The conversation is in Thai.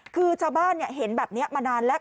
คือชาวบ้านเห็นแบบนี้มานานแล้ว